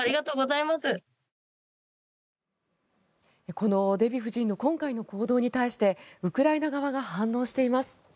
このデヴィ夫人の今回の行動に対してウクライナ側が反応しています。